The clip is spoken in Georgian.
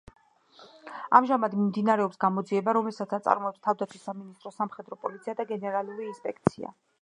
ამჟამად მიმდინარეობს გამოძიება, რომელსაც აწარმოებს თავდაცვის სამინისტროს სამხედრო პოლიცია და გენერალური ინსპექცია.